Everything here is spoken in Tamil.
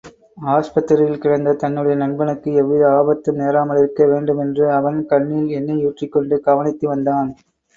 ஆஸ்பத்திரியில் கிடந்த தன்னுடைய நண்பனுக்கு எவ்வித ஆபத்தும் நேராமலிருக்க வேண்டுமென்று, அவன் கண்ணில் எண்ணையூற்றிக்கொண்டு கவனித்து வந்தான்.